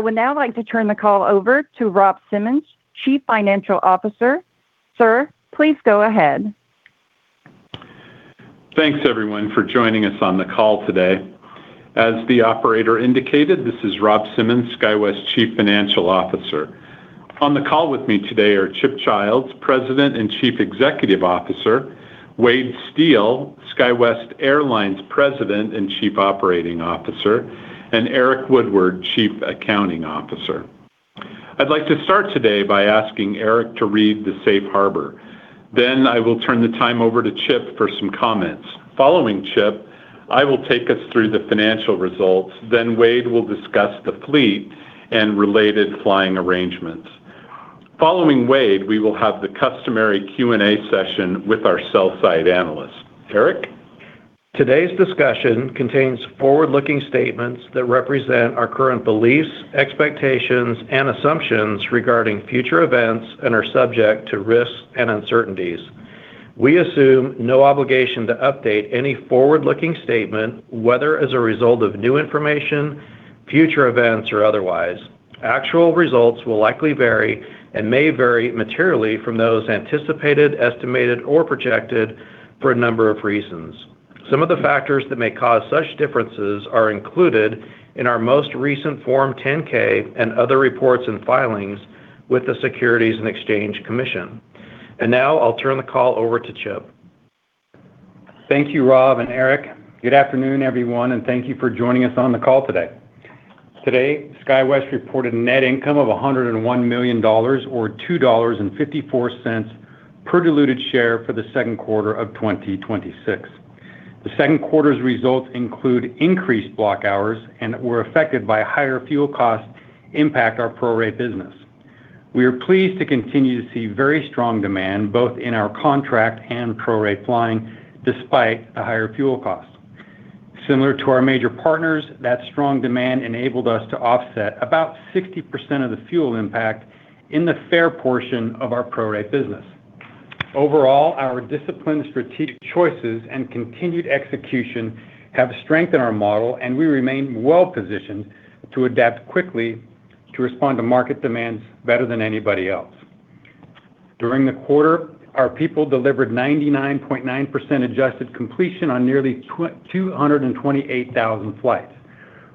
I would now like to turn the call over to Rob Simmons, Chief Financial Officer. Sir, please go ahead. Thanks everyone for joining us on the call today. As the operator indicated, this is Rob Simmons, SkyWest Chief Financial Officer. On the call with me today are Chip Childs, President and Chief Executive Officer, Wade Steel, SkyWest Airlines President and Chief Operating Officer, and Eric Woodward, Chief Accounting Officer. I'd like to start today by asking Eric to read the Safe Harbor. I will turn the time over to Chip for some comments. Following Chip, I will take us through the financial results. Wade will discuss the fleet and related flying arrangements. Following Wade, we will have the customary Q&A session with our sell side analyst. Eric? Today's discussion contains forward-looking statements that represent our current beliefs, expectations, and assumptions regarding future events and are subject to risks and uncertainties. We assume no obligation to update any forward-looking statement, whether as a result of new information, future events, or otherwise. Actual results will likely vary and may vary materially from those anticipated, estimated, or projected for a number of reasons. Some of the factors that may cause such differences are included in our most recent Form 10-K and other reports and filings with the Securities and Exchange Commission. Now I'll turn the call over to Chip. Thank you, Rob and Eric. Good afternoon, everyone, and thank you for joining us on the call today. Today, SkyWest reported net income of $101 million, or $2.54 per diluted share for the Q2 of 2026. The second quarter's results include increased block hours and were affected by higher fuel costs impact our pro-rate business. We are pleased to continue to see very strong demand both in our contract and pro-rate flying despite a higher fuel cost. Similar to our major partners, that strong demand enabled us to offset about 60% of the fuel impact in the fair portion of our pro-rate business. Overall, our disciplined strategic choices and continued execution have strengthened our model and we remain well-positioned to adapt quickly to respond to market demands better than anybody else. During the quarter, our people delivered 99.9% adjusted completion on nearly 228,000 flights.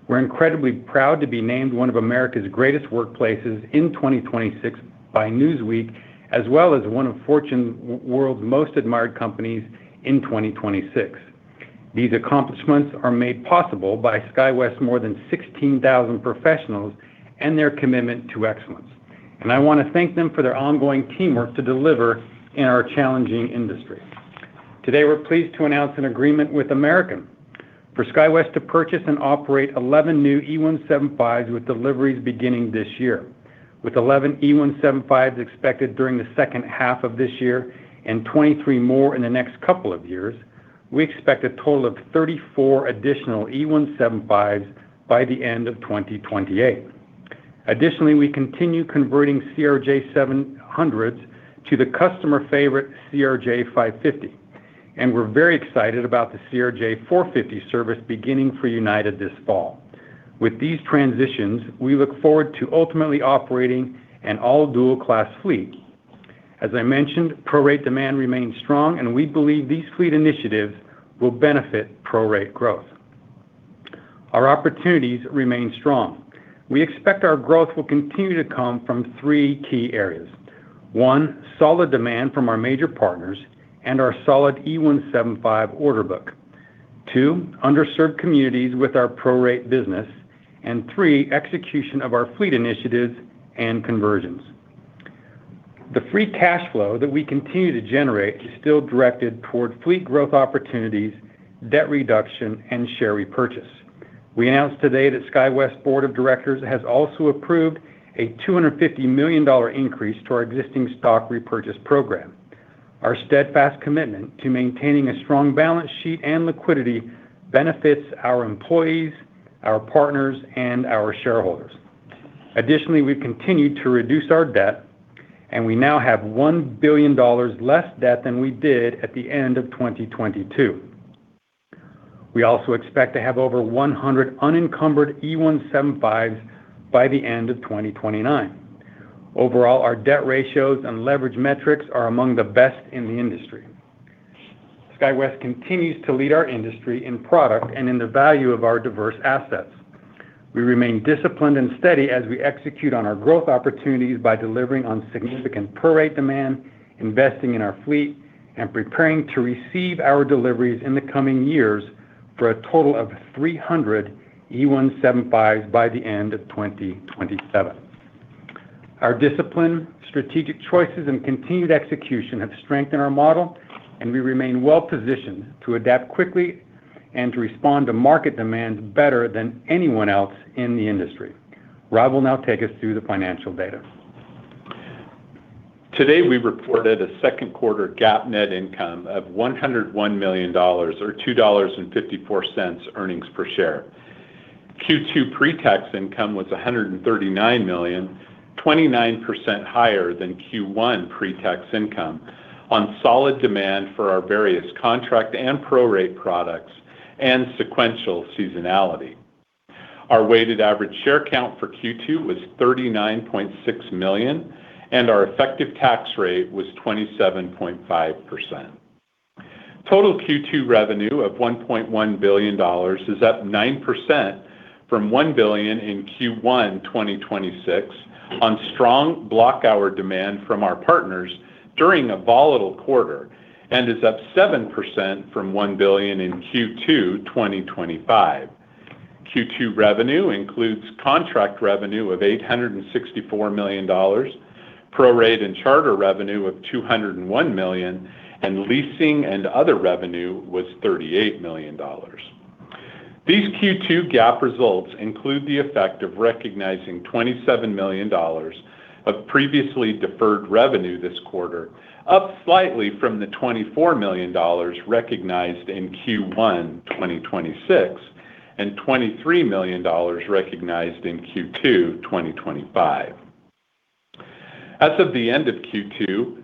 We're incredibly proud to be named one of America's greatest workplaces in 2026 by Newsweek, as well as one of Fortune's World's Most Admired Companies in 2026. These accomplishments are made possible by SkyWest's more than 16,000 professionals and their commitment to excellence. I want to thank them for their ongoing teamwork to deliver in our challenging industry. Today we're pleased to announce an agreement with American Airlines for SkyWest to purchase and operate 11 new E175s with deliveries beginning this year. With 11 E175s expected during the second half of this year and 23 more in the next couple of years, we expect a total of 34 additional E175s by the end of 2028. Additionally, we continue converting CRJ700s to the customer favorite CRJ550. We're very excited about the CRJ450 service beginning for United Airlines this fall. With these transitions, we look forward to ultimately operating an all dual-class fleet. As I mentioned, pro-rate demand remains strong and we believe these fleet initiatives will benefit pro-rate growth. Our opportunities remain strong. We expect our growth will continue to come from three key areas. One, solid demand from our major partners and our solid E175 order book. Two, underserved communities with our pro-rate business. Three, execution of our fleet initiatives and conversions. The free cash flow that we continue to generate is still directed toward fleet growth opportunities, debt reduction, and share repurchase. We announced today that SkyWest's board of directors has also approved a $250 million increase to our existing stock repurchase program. Our steadfast commitment to maintaining a strong balance sheet and liquidity benefits our employees, our partners, and our shareholders. Additionally, we've continued to reduce our debt, and we now have $1 billion less debt than we did at the end of 2022. We also expect to have over 100 unencumbered E175s by the end of 2029. Overall, our debt ratios and leverage metrics are among the best in the industry. SkyWest continues to lead our industry in product and in the value of our diverse assets. We remain disciplined and steady as we execute on our growth opportunities by delivering on significant pro-rate demand, investing in our fleet, and preparing to receive our deliveries in the coming years for a total of 300 E175s by the end of 2027. Our discipline, strategic choices, and continued execution have strengthened our model and we remain well-positioned to adapt quickly and to respond to market demands better than anyone else in the industry. Rob will now take us through the financial data. Today we reported a Q2 GAAP net income of $101 million, or $2.54 earnings per share. Q2 pre-tax income was $139 million 29% higher than Q1 pre-tax income on solid demand for our various contract and prorate products and sequential seasonality. Our weighted average share count for Q2 was 39.6 million, and our effective tax rate was 27.5%. Total Q2 revenue of $1.1 billion is up nine percent from $1 billion in Q1 2026 on strong block hour demand from our partners during a volatile quarter, and is up seven percent from $1 billion in Q2 2025. Q2 revenue includes contract revenue of $864 million, prorate and charter revenue of $201 million, and leasing and other revenue was $38 million. These Q2 GAAP results include the effect of recognizing $27 million of previously deferred revenue this quarter, up slightly from the $24 million recognized in Q1 2026, and $23 million recognized in Q2 2025. As of the end of Q2,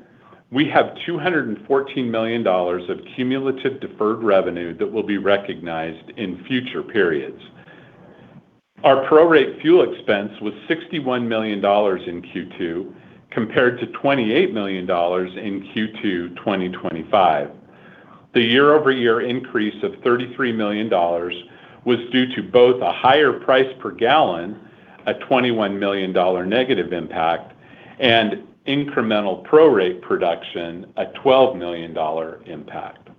we have $214 million of cumulative deferred revenue that will be recognized in future periods. Our prorate fuel expense was $61 million in Q2, compared to $28 million in Q2 2025. The year-over-year increase of $33 million was due to both a higher price per gallon, a $21 million negative impact, and incremental prorate production, a $12 million impact.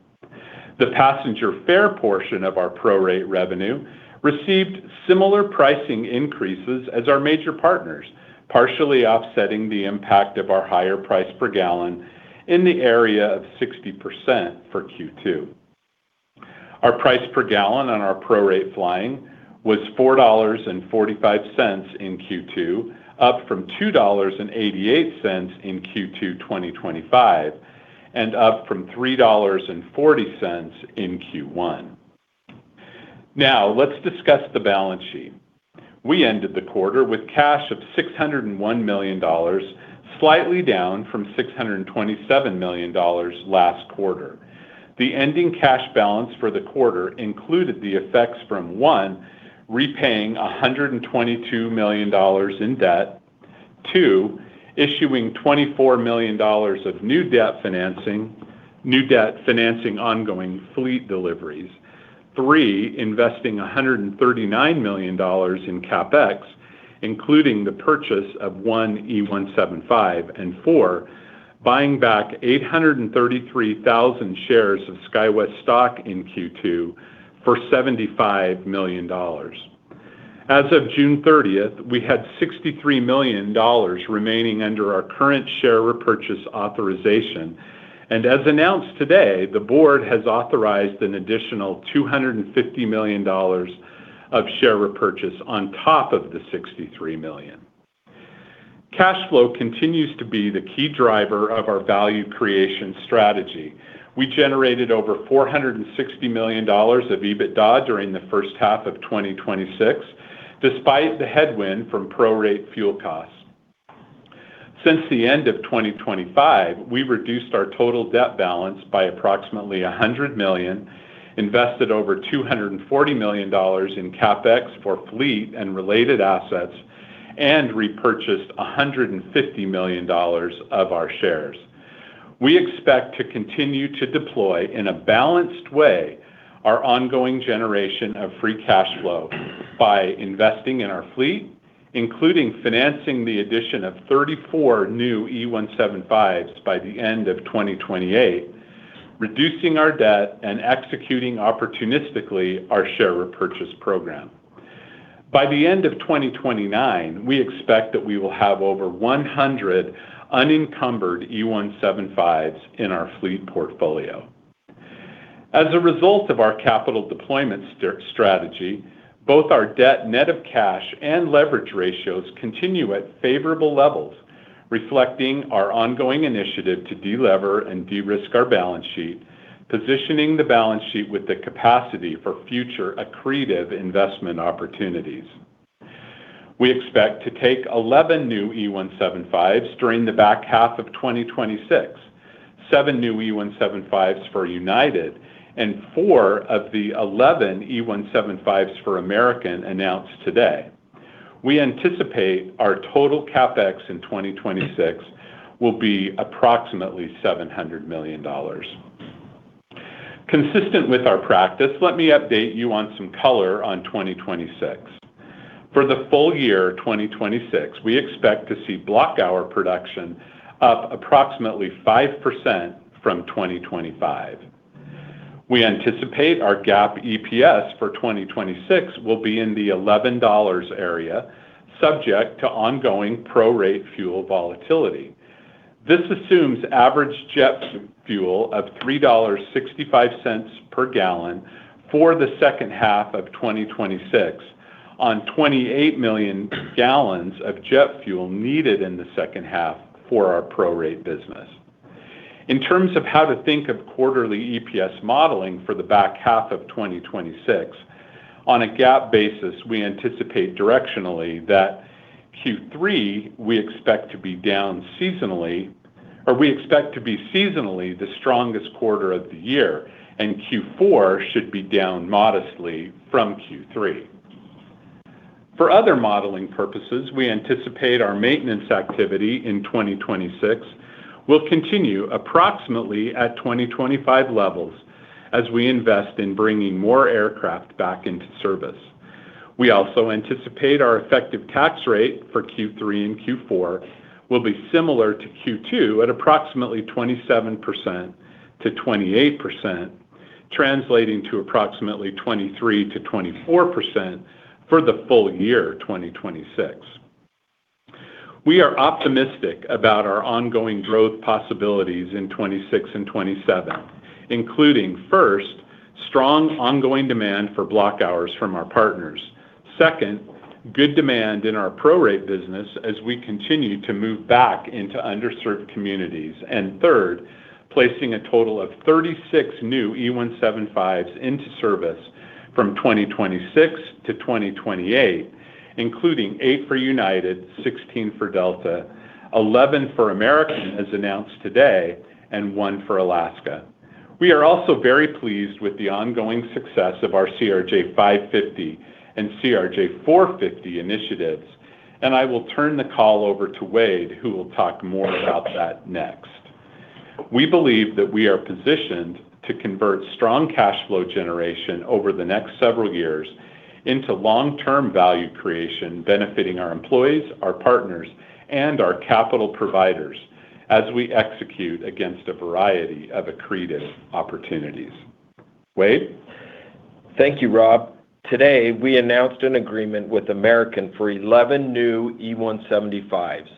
The passenger fare portion of our prorate revenue received similar pricing increases as our major partners, partially offsetting the impact of our higher price per gallon in the area of 60% for Q2. Our price per gallon on our prorate flying was $4.45 in Q2, up from $2.88 in Q2 2025, and up from $3.40 in Q1. Let's discuss the balance sheet. We ended the quarter with cash of $601 million, slightly down from $627 million last quarter. The ending cash balance for the quarter included the effects from, one, repaying $122 million in debt. Two, issuing $24 million of new debt financing ongoing fleet deliveries. Three, investing $139 million in CapEx, including the purchase of 1 E175. Four, buying back 833,000 shares of SkyWest stock in Q2 for $75 million. As of June 30th, we had $63 million remaining under our current share repurchase authorization, as announced today, the board has authorized an additional $250 million of share repurchase on top of the $63 million. Cash flow continues to be the key driver of our value creation strategy. We generated over $460 million of EBITDA during the first half of 2026, despite the headwind from prorate fuel costs. Since the end of 2025, we reduced our total debt balance by approximately $100 million, invested over $240 million in CapEx for fleet and related assets, and repurchased $150 million of our shares. We expect to continue to deploy in a balanced way our ongoing generation of free cash flow by investing in our fleet, including financing the addition of 34 new E175s by the end of 2028, reducing our debt, and executing opportunistically our share repurchase program. By the end of 2029, we expect that we will have over 100 unencumbered E175s in our fleet portfolio. As a result of our capital deployment strategy, both our debt net of cash and leverage ratios continue at favorable levels, reflecting our ongoing initiative to de-lever and de-risk our balance sheet, positioning the balance sheet with the capacity for future accretive investment opportunities. We expect to take 11 new E175s during the back half of 2026, seven new E175s for United, and four of the 11 E175s for American announced today. We anticipate our total CapEx in 2026 will be approximately $700 million. Consistent with our practice, let me update you on some color on 2026. For the full year 2026, we expect to see block hour production up approximately five percent from 2025. We anticipate our GAAP EPS for 2026 will be in the $11 area, subject to ongoing prorate fuel volatility. This assumes average jet fuel of $3.65 per gallon for the second half of 2026 on 28 million gallons of jet fuel needed in the second half for our prorate business. In terms of how to think of quarterly EPS modeling for the back half of 2026, on a GAAP basis, we anticipate directionally that Q3, we expect to be down seasonally, or we expect to be seasonally the strongest quarter of the year, and Q4 should be down modestly from Q3. For other modeling purposes, we anticipate our maintenance activity in 2026 will continue approximately at 2025 levels as we invest in bringing more aircraft back into service. We also anticipate our effective tax rate for Q3 and Q4 will be similar to Q2 at approximately 27%-28%, translating to approximately 23%-24% for the full year 2026. We are optimistic about our ongoing growth possibilities in 2026 and 2027, including first, strong ongoing demand for block hours from our partners. Second, good demand in our prorate business as we continue to move back into underserved communities. Third, placing a total of 36 new E175s into service from 2026 to 2028, including eight for United, 16 for Delta, 11 for American as announced today, and one for Alaska. We are also very pleased with the ongoing success of our CRJ-550 and CRJ-450 initiatives, and I will turn the call over to Wade, who will talk more about that next. We believe that we are positioned to convert strong cash flow generation over the next several years into long-term value creation benefiting our employees, our partners, and our capital providers as we execute against a variety of accretive opportunities. Wade? Thank you, Rob. Today, we announced an agreement with American for 11 new E175s.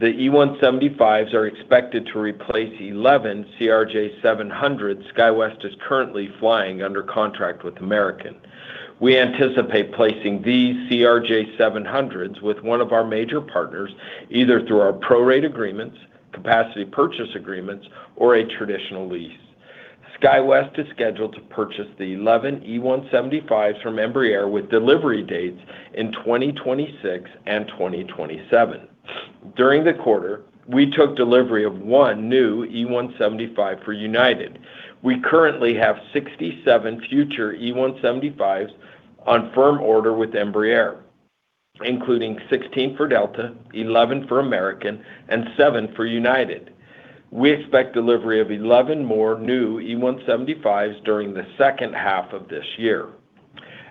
The E175s are expected to replace 11 CRJ-700 SkyWest is currently flying under contract with American. We anticipate placing these CRJ-700s with one of our major partners, either through our prorate agreements, capacity purchase agreements, or a traditional lease. SkyWest is scheduled to purchase the 11 E175s from Embraer with delivery dates in 2026 and 2027. During the quarter, we took delivery of one new E175 for United. We currently have 67 future E175s on firm order with Embraer, including 16 for Delta, 11 for American and seven for United. We expect delivery of 11 more new E175s during the second half of this year.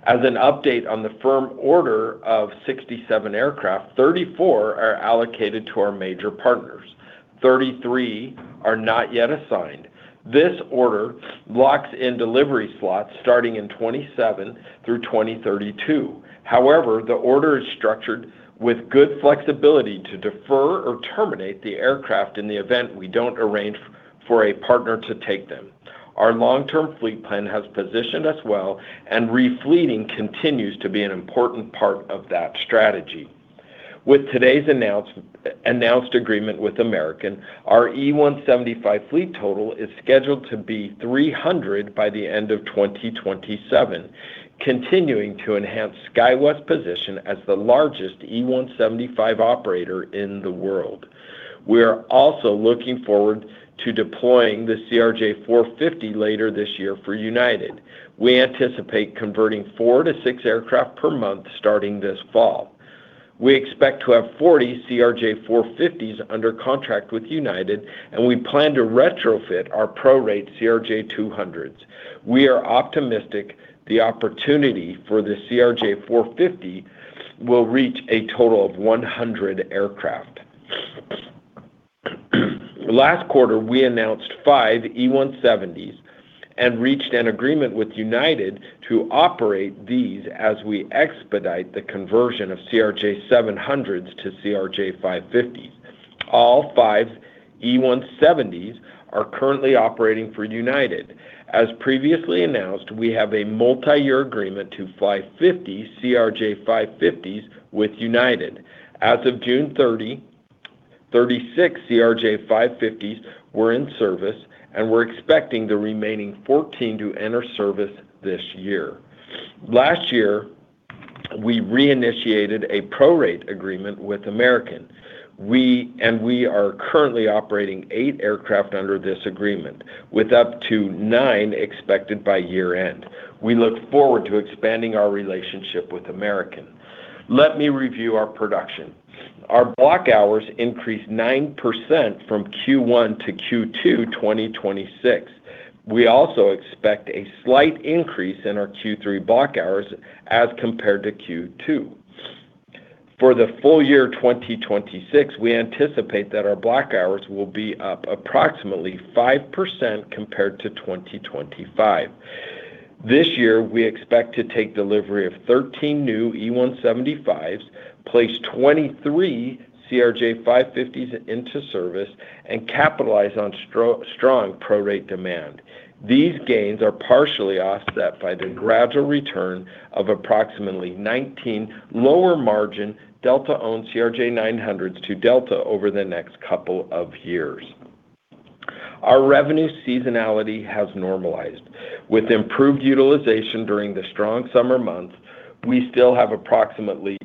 As an update on the firm order of 67 aircraft, 34 are allocated to our major partners. 33 are not yet assigned. This order locks in delivery slots starting in 2027 through 2032. However, the order is structured with good flexibility to defer or terminate the aircraft in the event we don't arrange for a partner to take them. Our long-term fleet plan has positioned us well, and refleeting continues to be an important part of that strategy. With today's announced agreement with American, our E175 fleet total is scheduled to be 300 by the end of 2027, continuing to enhance SkyWest's position as the largest E175 operator in the world. We are also looking forward to deploying the CRJ450 later this year for United. We anticipate converting four - six aircraft per month starting this fall. We expect to have 40 CRJ450s under contract with United, and we plan to retrofit our pro-rate CRJ200s. We are optimistic the opportunity for the CRJ450 will reach a total of 100 aircraft. Last quarter, we announced five E170s and reached an agreement with United to operate these as we expedite the conversion of CRJ700 to CRJ550. All five E170s are currently operating for United. As previously announced, we have a multi-year agreement to fly 50 CRJ550s with United. As of June 30, 36 CRJ550s were in service, and we're expecting the remaining 14 to enter service this year. Last year, we reinitiated a pro-rate agreement with American. We are currently operating eight aircraft under this agreement, with up to nine expected by year-end. We look forward to expanding our relationship with American. Let me review our production. Our block hours increased nine percent from Q1 to Q2 2026. We also expect a slight increase in our Q3 block hours as compared to Q2. For the full year 2026, we anticipate that our block hours will be up approximately five percent compared to 2025. This year, we expect to take delivery of 13 new E175s, place 23 CRJ550s into service, and capitalize on pro-rate demand. These gains are partially offset by the gradual return of approximately 19 lower-margin Delta-owned CRJ900s to Delta over the next couple of years. Our revenue seasonality has normalized. With improved utilization during the strong summer months, we still have approximately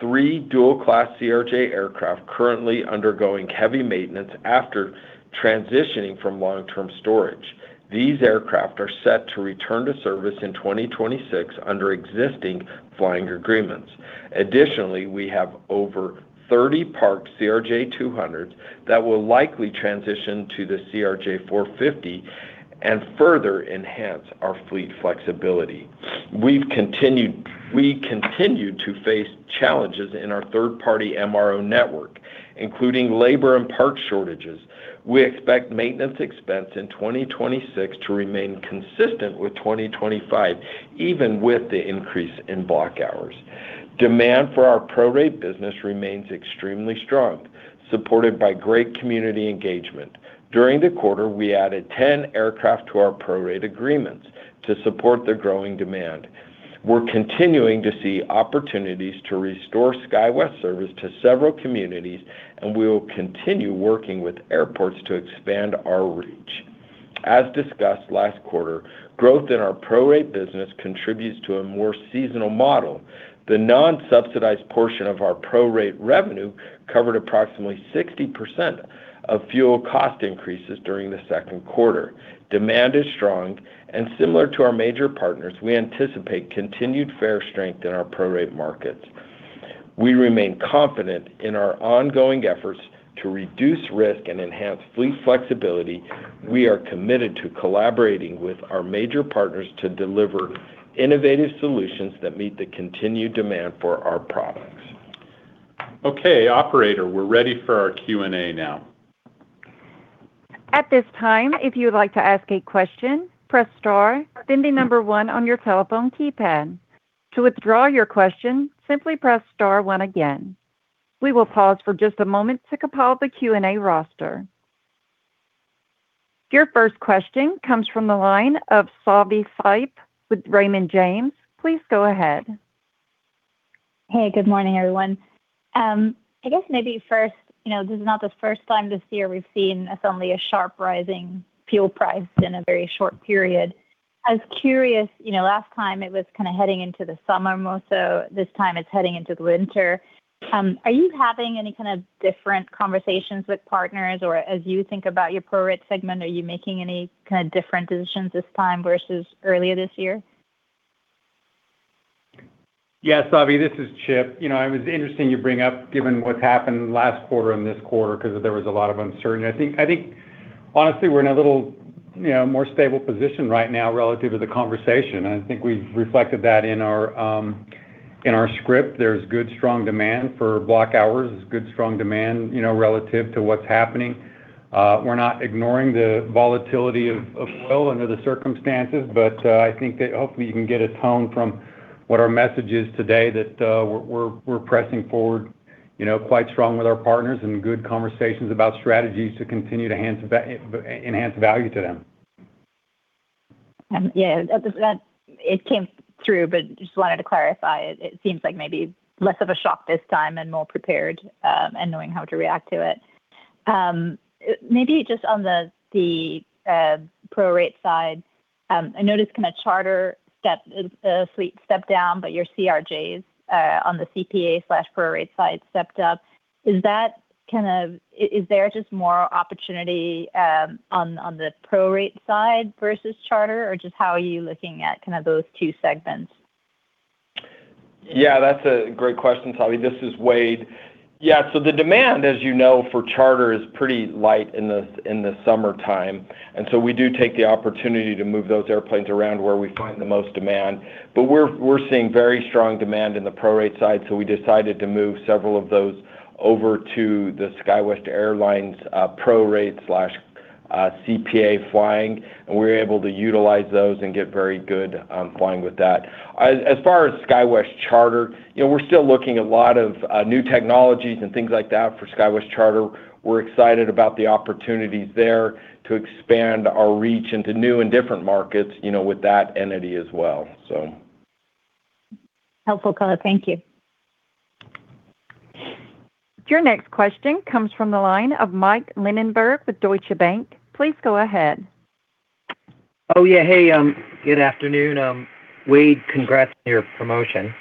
three dual-class CRJ aircraft currently undergoing heavy maintenance after transitioning from long-term storage. These aircraft are set to return to service in 2026 under existing flying agreements. Additionally, we have over 30 parked CRJ200s that will likely transition to the CRJ450 and further enhance our fleet flexibility. We continue to face challenges in our third-party MRO network, including labor and parts shortages. We expect maintenance expense in 2026 to remain consistent with 2025, even with the increase in block hours. Demand for our pro-rate business remains extremely strong, supported by great community engagement. During the quarter, we added 10 aircraft to our pro-rate agreements to support the growing demand. We're continuing to see opportunities to restore SkyWest service to several communities, and we will continue working with airports to expand our reach. As discussed last quarter, growth in our pro-rate business contributes to a more seasonal model. The non-subsidized portion of our pro-rate revenue covered approximately 60% of fuel cost increases during the Q2. Demand is strong and similar to our major partners, we anticipate continued fare strength in our pro-rate markets. We remain confident in our ongoing efforts to reduce risk and enhance fleet flexibility. We are committed to collaborating with our major partners to deliver innovative solutions that meet the continued demand for our products. Okay, operator, we're ready for our Q&A now. At this time, if you would like to ask a question, press star, then the number one on your telephone keypad. To withdraw your question, simply press star one again. We will pause for just a moment to compile the Q&A roster. Your first question comes from the line of Savanthi Syth with Raymond James. Please go ahead. Hey, good morning, everyone. I guess maybe first, this is not the first time this year we've seen suddenly a sharp rise in fuel price in a very short period. I was curious, last time it was heading into the summer, more so this time it's heading into the winter. As you think about your pro-rate segment, are you having any kind of different conversations with partners? Or are you making any kind of different decisions this time versus earlier this year? Yeah, Savi, this is Chip. It was interesting you bring up, given what's happened last quarter and this quarter, because there was a lot of uncertainty. I think honestly, we're in a little more stable position right now relative to the conversation, and I think we've reflected that in our script. There's good, strong demand for block hours. There's good, strong demand relative to what's happening. We're not ignoring the volatility of oil under the circumstances, I think that hopefully you can get a tone from what our message is today that we're pressing forward quite strong with our partners and good conversations about strategies to continue to enhance value to them. Yeah. It came through, just wanted to clarify. It seems like maybe less of a shock this time and more prepared and knowing how to react to it. Maybe just on the pro-rate side, I noticed a charter fleet step down, your CRJs on the CPA/pro-rate side stepped up. Is there just more opportunity on the pro-rate side versus charter, or just how are you looking at those two segments? That's a great question, Savi. This is Wade. The demand, as you know, for charter is pretty light in the summertime, we do take the opportunity to move those airplanes around where we find the most demand. We're seeing very strong demand in the pro-rate side, we decided to move several of those over to the SkyWest Airlines pro-rate/CPA flying, and we were able to utilize those and get very good flying with that. As far as SkyWest Charter, we're still looking at a lot of new technologies and things like that for SkyWest Charter. We're excited about the opportunities there to expand our reach into new and different markets with that entity as well. Helpful color. Thank you. Your next question comes from the line of Michael Linenberg with Deutsche Bank. Please go ahead. Hey, good afternoon. Wade, congrats on your promotion.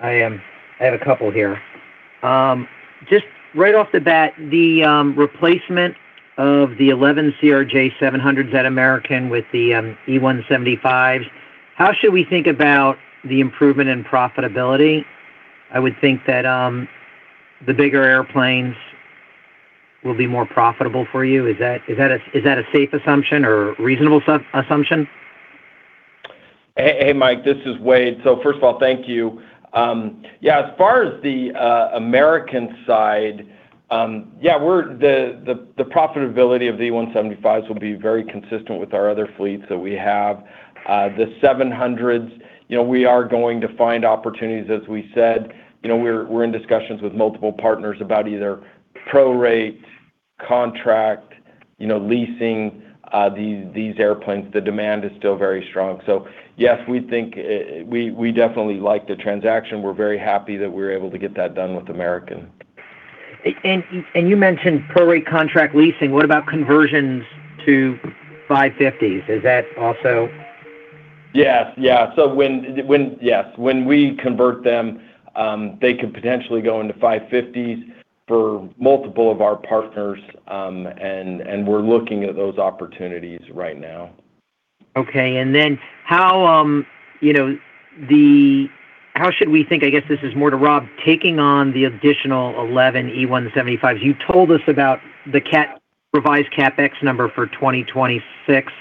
I have a couple here. Just right off the bat, the replacement of the 11 CRJ700s at American with the E175s, how should we think about the improvement in profitability? I would think that the bigger airplanes will be more profitable for you. Is that a safe assumption or reasonable assumption? Hey, Mike, this is Wade. First of all, thank you. Yeah, as far as the American side, the profitability of the E175s will be very consistent with our other fleets that we have. The 700s, we are going to find opportunities, as we said. We're in discussions with multiple partners about either pro-rate contract leasing these airplanes. The demand is still very strong. Yes, we definitely like the transaction. We're very happy that we were able to get that done with American. You mentioned pro-rate contract leasing. What about conversions to 550s? Is that also? Yes. When we convert them, they could potentially go into 550s for multiple of our partners, and we're looking at those opportunities right now. Okay. How should we think, I guess this is more to Rob, taking on the additional 11 E175s? You told us about the revised CapEx number for 2026.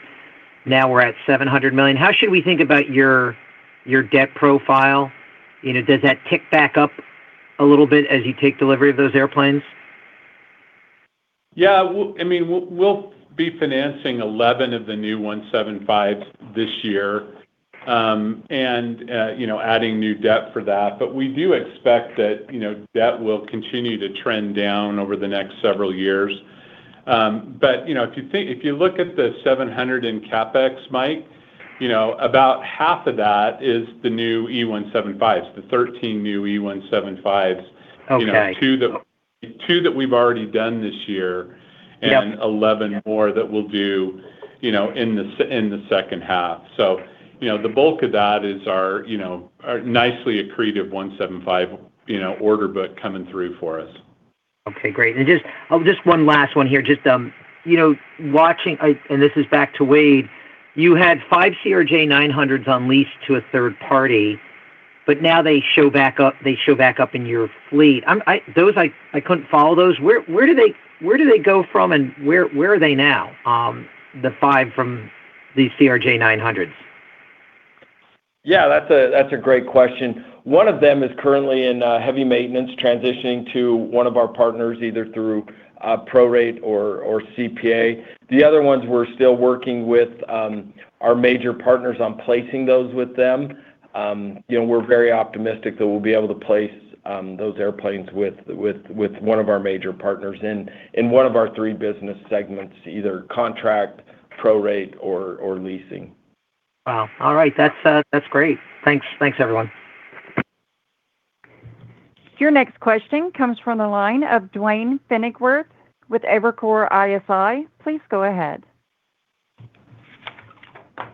Now we're at $700 million. How should we think about your debt profile? Does that tick back up a little bit as you take delivery of those airplanes? Yeah. We'll be financing 11 of the new E175s this year, and adding new debt for that. We do expect that debt will continue to trend down over the next several years. If you look at the 700 in CapEx, Mike, about half of that is the new E175s. The 13 new E175s- Okay two that we've already done this year- Yep 11 more that we'll do in the second half. The bulk of that is our nicely accretive E175 order book coming through for us. Okay, great. Just one last one here. This is back to Wade. You had five CRJ-900s on lease to a third party, now they show back up in your fleet. I couldn't follow those. Where do they go from, and where are they now, the five from the CRJ-900s? Yeah, that's a great question. One of them is currently in heavy maintenance, transitioning to one of our partners, either through a pro-rate or CPA. The other ones we're still working with our major partners on placing those with them. We're very optimistic that we'll be able to place those airplanes with one of our major partners in one of our three business segments, either contract, pro-rate, or leasing. Wow. All right. That's great. Thanks, everyone. Your next question comes from the line of Duane Pfennigwerth with Evercore ISI. Please go ahead.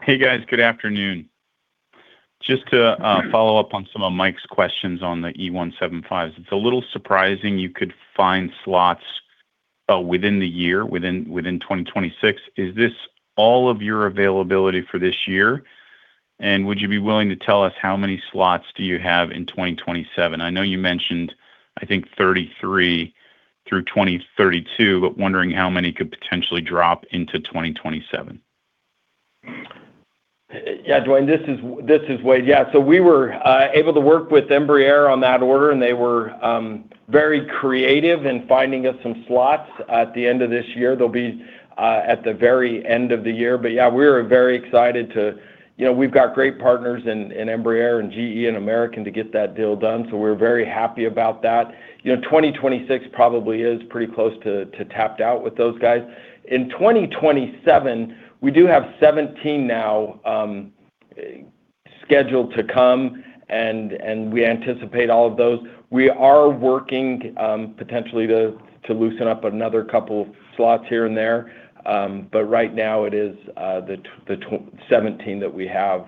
Hey, guys. Good afternoon. Just to follow up on some of Mike's questions on the E175s, it's a little surprising you could find slots within the year, within 2026. Is this all of your availability for this year? Would you be willing to tell us how many slots do you have in 2027? I know you mentioned, I think 33 through 2032, but wondering how many could potentially drop into 2027. Duane, this is Wade. We were able to work with Embraer on that order. They were very creative in finding us some slots at the end of this year. They'll be at the very end of the year. We're very excited. We've got great partners in Embraer and GE and American to get that deal done. We're very happy about that. 2026 probably is pretty close to tapped out with those guys. 2027, we do have 17 now scheduled to come, and we anticipate all of those. We are working potentially to loosen up another couple slots here and there. Right now it is the 17 that we have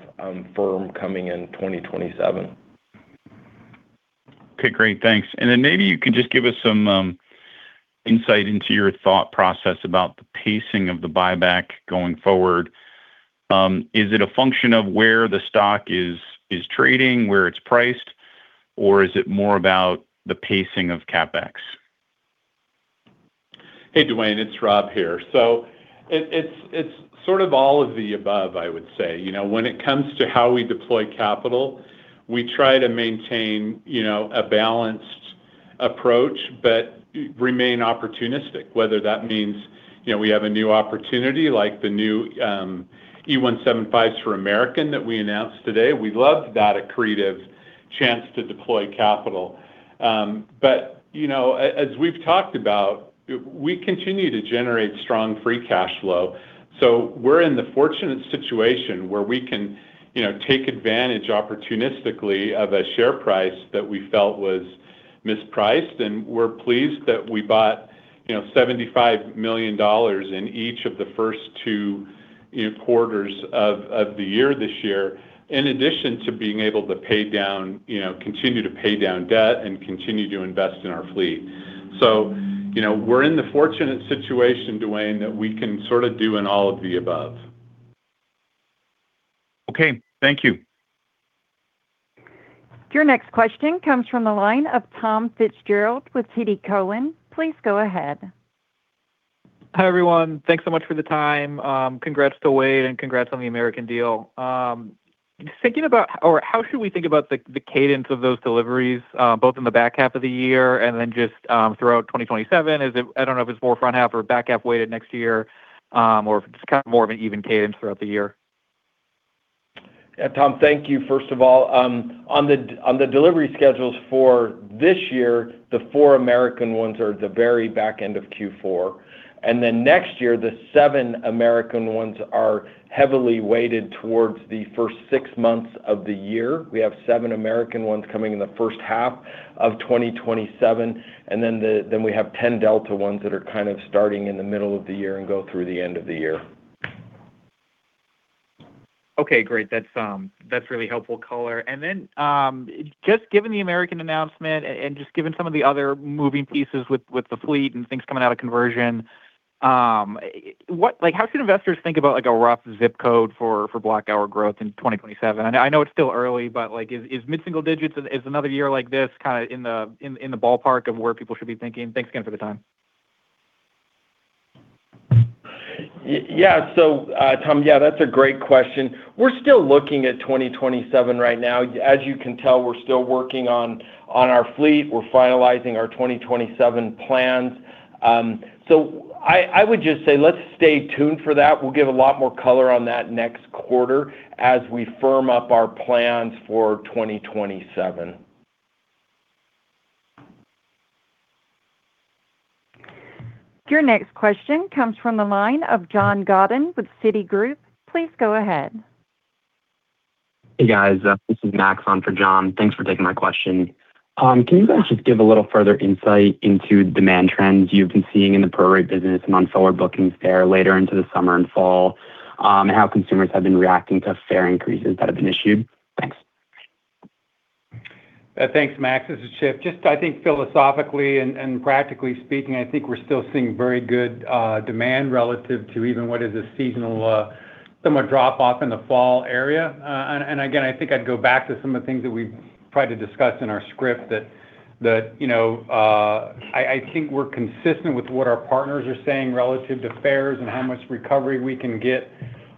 firm coming in 2027. Okay, great. Thanks. Maybe you could just give us some insight into your thought process about the pacing of the buyback going forward. Is it a function of where the stock is trading, where it's priced, or is it more about the pacing of CapEx? Hey, Duane, it's Rob here. It's sort of all of the above, I would say. When it comes to how we deploy capital, we try to maintain a balanced approach, remain opportunistic, whether that means we have a new opportunity like the new E175s for American that we announced today. We loved that accretive chance to deploy capital. As we've talked about, we continue to generate strong free cash flow. We're in the fortunate situation where we can take advantage opportunistically of a share price that we felt was mispriced, and we're pleased that we bought $75 million in each of the first two quarters of the year this year, in addition to being able to continue to pay down debt and continue to invest in our fleet. We're in the fortunate situation, Duane, that we can sort of do an all of the above. Okay. Thank you. Your next question comes from the line of Thomas Fitzgerald with TD Cowen. Please go ahead. Hi, everyone. Thanks so much for the time. Congrats to Wade and congrats on the American deal. How should we think about the cadence of those deliveries, both in the back half of the year and just throughout 2027? I don't know if it's more front half or back half weighted next year, or if it's kind of more of an even cadence throughout the year. Tom, thank you first of all. On the delivery schedules for this year, the four American ones are at the very back end of Q4. Next year, the seven American ones are heavily weighted towards the first six months of the year. We have seven American ones coming in the first half of 2027, and we have 10 Delta ones that are kind of starting in the middle of the year and go through the end of the year. Okay, great. That's really helpful color. Just given the American announcement and just given some of the other moving pieces with the fleet and things coming out of conversion, how should investors think about a rough ZIP code for block hour growth in 2027? I know it's still early, but is mid-single digits, is another year like this, in the ballpark of where people should be thinking? Thanks again for the time. Tom, that's a great question. We're still looking at 2027 right now. As you can tell, we're still working on our fleet. We're finalizing our 2027 plans. I would just say let's stay tuned for that. We'll give a lot more color on that next quarter as we firm up our plans for 2027. Your next question comes from the line of John Godden with Citigroup. Please go ahead. Hey, guys. This is Max on for John. Thanks for taking my question. Can you guys just give a little further insight into demand trends you've been seeing in the pro-rate business and on forward bookings fare later into the summer and fall, and how consumers have been reacting to fare increases that have been issued? Thanks. Thanks, Max. This is Chip. I think philosophically and practically speaking, I think we're still seeing very good demand relative to even what is a seasonal, somewhat drop-off in the fall area. Again, I think I'd go back to some of the things that we tried to discuss in our script that I think we're consistent with what our partners are saying relative to fares and how much recovery we can get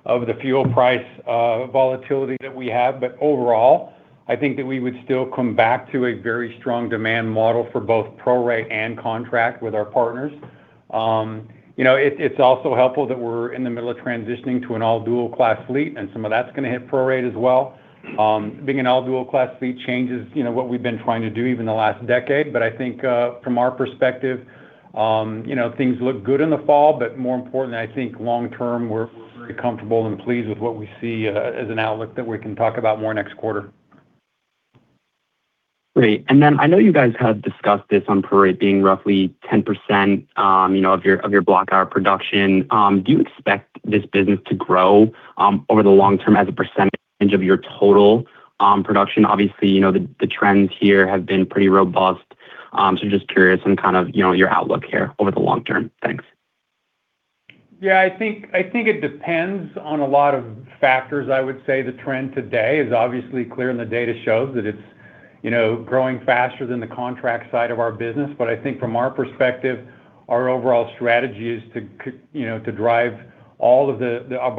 of the fuel price volatility that we have. Overall, I think that we would still come back to a very strong demand model for both pro-rate and contract with our partners. It's also helpful that we're in the middle of transitioning to an all-dual-class fleet, and some of that's going to hit pro-rate as well. Being an all-dual-class fleet changes what we've been trying to do even the last decade. I think from our perspective, things look good in the fall, more importantly, I think long term, we're very comfortable and pleased with what we see as an outlook that we can talk about more next quarter. Great. Then I know you guys have discussed this on pro-rate being roughly 10% of your block hour production. Do you expect this business to grow over the long term as a percentage of your total production? Obviously, the trends here have been pretty robust. Just curious on your outlook here over the long term. Thanks. I think it depends on a lot of factors. I would say the trend today is obviously clear, and the data shows that it's growing faster than the contract side of our business. I think from our perspective, our overall strategy is to drive all of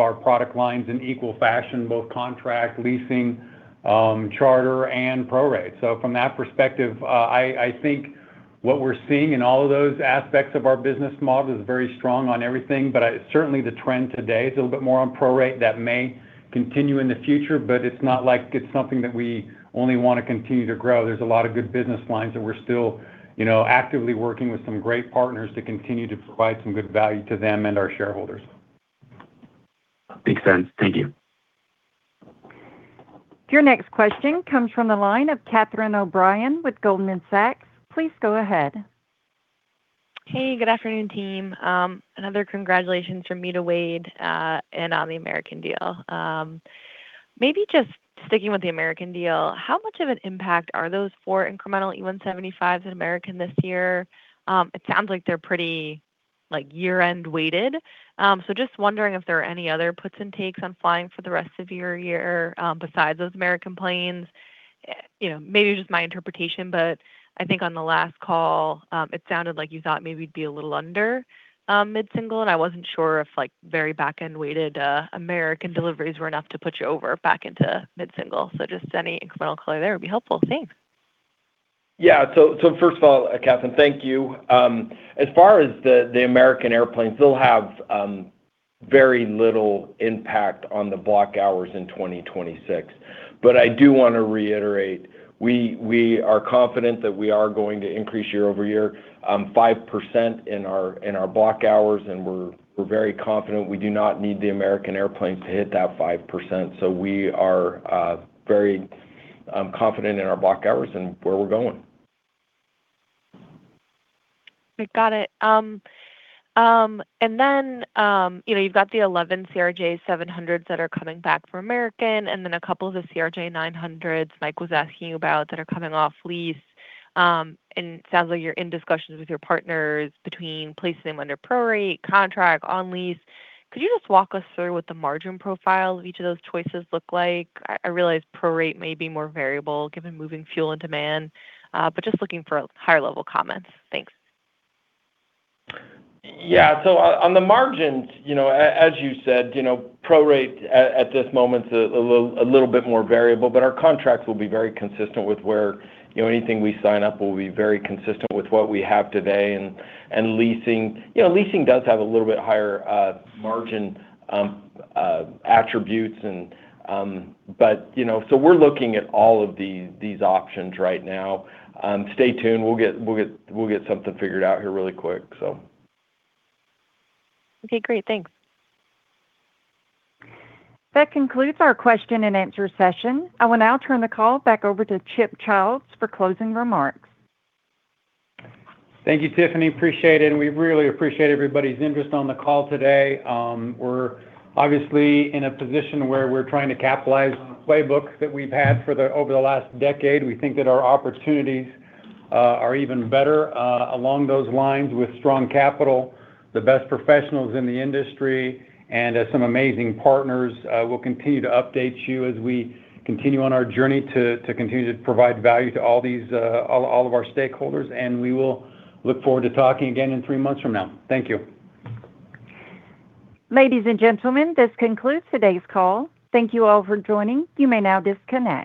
our product lines in equal fashion, both contract, leasing, charter, and pro-rate. From that perspective, I think what we're seeing in all of those aspects of our business model is very strong on everything. Certainly, the trend today is a little bit more on pro-rate. That may continue in the future, but it's not like it's something that we only want to continue to grow. There's a lot of good business lines that we're still actively working with some great partners to continue to provide some good value to them and our shareholders. Makes sense. Thank you. Your next question comes from the line of Catherine O'Brien with Goldman Sachs. Please go ahead. Hey, good afternoon, team. Another congratulations from me to Wade and on the American deal. Maybe just sticking with the American deal, how much of an impact are those four incremental E175s in American this year? It sounds like they're pretty year-end weighted. Just wondering if there are any other puts and takes on flying for the rest of your year besides those American planes. Maybe just my interpretation, but I think on the last call it sounded like you thought maybe you'd be a little under mid-single, and I wasn't sure if very back-end weighted American deliveries were enough to put you over back into mid-single. Just any incremental color there would be helpful. Thanks. First of all, Catherine, thank you. As far as the American airplanes, they'll have very little impact on the block hours in 2026. I do want to reiterate, we are confident that we are going to increase year-over-year five percent in our block hours, and we're very confident we do not need the American airplanes to hit that five percent. We are very confident in our block hours and where we're going. Got it. Then you've got the 11 CRJ-700s that are coming back from American, then a couple of the CRJ-900s Mike was asking you about that are coming off lease. It sounds like you're in discussions with your partners between placing them under pro-rate, contract, on lease. Could you just walk us through what the margin profile of each of those choices look like? I realize pro-rate may be more variable given moving fuel and demand, but just looking for higher-level comments. Thanks. Yeah. On the margins, as you said, pro-rate at this moment is a little bit more variable, but our contracts will be very consistent with where anything we sign up will be very consistent with what we have today. Leasing does have a little bit higher margin attributes. We're looking at all of these options right now. Stay tuned. We'll get something figured out here really quick. Okay, great. Thanks. That concludes our question and answer session. I will now turn the call back over to Chip Childs for closing remarks. Thank you, Tiffany. Appreciate it, and we really appreciate everybody's interest on the call today. We're obviously in a position where we're trying to capitalize on the playbook that we've had over the last decade. We think that our opportunities are even better along those lines with strong capital, the best professionals in the industry, and some amazing partners. We'll continue to update you as we continue on our journey to continue to provide value to all of our stakeholders, and we will look forward to talking again in three months from now. Thank you. Ladies and gentlemen, this concludes today's call. Thank you all for joining. You may now disconnect.